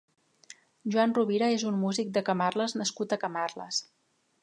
Joan Rovira és un músic de Camarles nascut a Camarles.